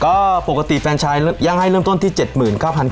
ก็ปกติแฟนไชน์ยังให้เริ่มต้นที่๗๙๐๖๙บาท